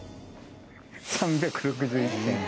３６１．５。